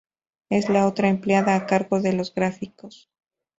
Es la otra empleada a cargo de los gráficos.